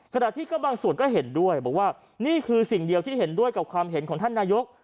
ขณะที่ก็บางส่วนก็เห็นด้วยบอกว่านี่คือสิ่งเดียวที่เห็นด้วยกับความเห็นของท่านนายก